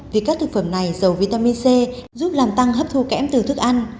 vì các thực phẩm này dầu vitamin c giúp làm tăng hấp thu kém từ thức ăn